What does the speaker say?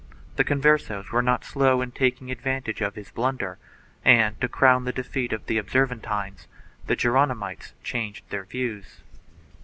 The Conversos were not slow in taking advantage of his blunder and, to crown the defeat of the Observan tines, the Geronimites changed their views.